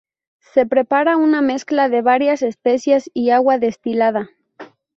Se prepara una mezcla de varias especias y agua destilada.